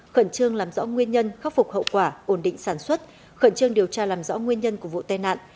khẩn trương làm rõ nguyên nhân khắc phục hậu quả ổn định sản xuất khẩn trương điều tra làm rõ nguyên nhân của vụ tai nạn